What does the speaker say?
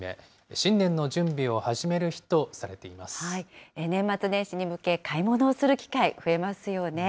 新年の準備を始める日とされてい年末年始に向け、買い物をする機会、増えますよね。